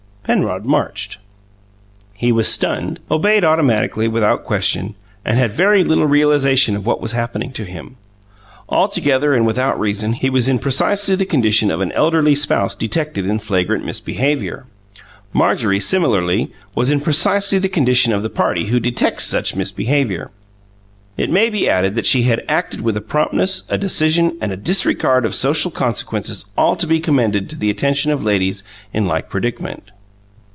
Penrod marched. He was stunned; obeyed automatically, without question, and had very little realization of what was happening to him. Altogether, and without reason, he was in precisely the condition of an elderly spouse detected in flagrant misbehaviour. Marjorie, similarly, was in precisely the condition of the party who detects such misbehaviour. It may be added that she had acted with a promptness, a decision and a disregard of social consequences all to be commended to the attention of ladies in like predicament.